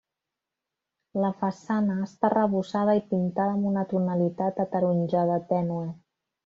La façana està arrebossada i pintada amb una tonalitat ataronjada tènue.